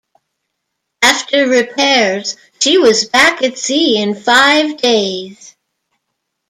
After repairs she was back at sea in five days.